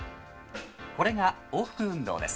「これが往復運動です」